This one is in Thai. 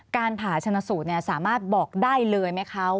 การผ่าชนสูตรสามารถบอกได้เลยไหมคะ